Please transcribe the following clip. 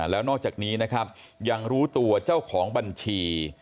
แล้วนอกจากนี้นะครับยังรู้ตัวเจ้าของบัญชี